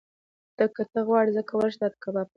که ته غواړې، زه کولی شم تاته کباب پخ کړم.